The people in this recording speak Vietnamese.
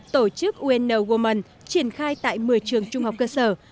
tổ chức un women triển khai tại một mươi trường trung học cơ sở